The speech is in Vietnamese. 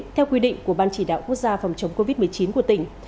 theo quy định của ban chỉ đạo quốc gia phòng chống covid một mươi chín của tỉnh